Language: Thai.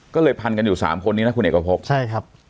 ก็เลยพันกันอยู่สามคนนี้นะคุณเอกพบใช่ครับ